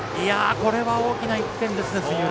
これは、大きな１点ですね。